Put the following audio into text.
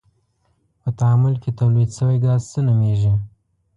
په تعامل کې تولید شوی ګاز څه نومیږي؟